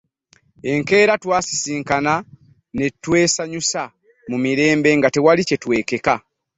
Enkeera twasisinkana ne twesanyusa mu mirembe nga tewali kye twekeka.